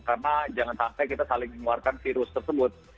karena jangan sampai kita saling mengeluarkan virus tersebut